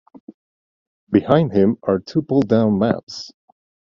Behind him are two pull-down maps.